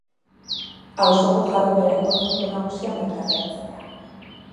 Auzoko jarduera ekonomiko nagusia merkataritza da.